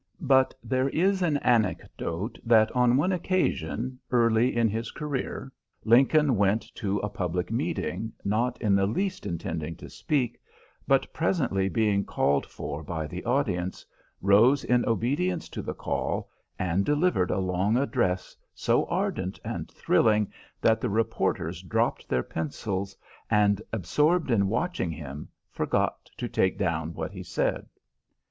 But there is an anecdote that on one occasion, early in his career, Lincoln went to a public meeting not in the least intending to speak, but presently being called for by the audience, rose in obedience to the call, and delivered a long address so ardent and thrilling that the reporters dropped their pencils and, absorbed in watching him, forgot to take down what he said.